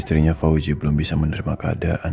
istrinya fauzi belum bisa menerima keadaan